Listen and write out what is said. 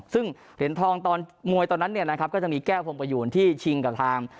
ซึ่งเหรียญทองตอนมวยตอนนั้นเนี่ยนะครับก็จะมีแก้วพงประยูนที่ชิงกับทาง